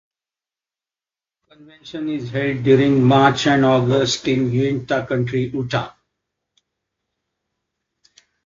Convention is held during March and August in Uintah County, Utah.